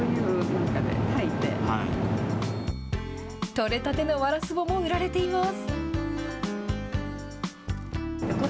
取れたてのワラスボも売られています。